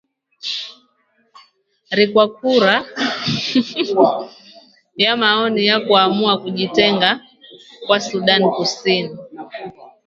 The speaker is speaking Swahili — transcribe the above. ri kwa kura ya maoni ya kuamua kujitenga kwa sudan kusini